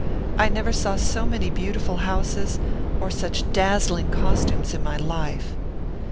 I never saw so many beautiful houses or such dazzling costumes in my life."